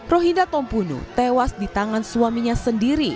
rohinda tompunu tewas di tangan suaminya sendiri